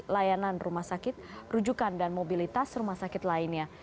layanan rumah sakit rujukan dan mobilitas rumah sakit lainnya